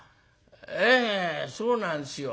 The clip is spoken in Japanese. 「ええそうなんですよ。